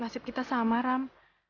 nasib kita sama ram